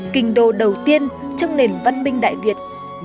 kinh đô đầu tiên trong nền văn minh đại việt